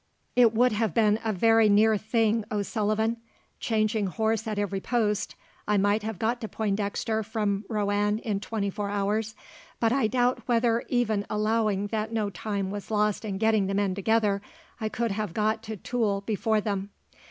"It would have been a very near thing, O'Sullivan. Changing horse at every post, I might have got to Pointdexter from Roanne in twenty four hours; but I doubt whether, even allowing that no time was lost in getting the men together, I could have got to Tulle before them.